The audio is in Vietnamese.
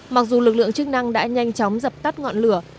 mặc dù lực lượng chức năng đã nhanh chóng dập tắt ngọn lửa